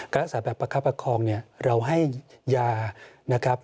รักษาแบบประคับประคองเนี่ยเราให้ยานะครับ